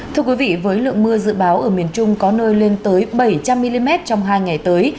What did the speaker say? thưa quý vị với lượng mưa dự báo ở miền trung có nơi lên tới bảy trăm linh mm trong hai ngày tới